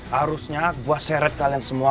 harusnya gue seret kalian semua